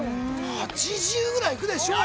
８０ぐらいいくでしょう！